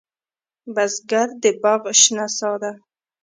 بزګر د باغ شنه سا ده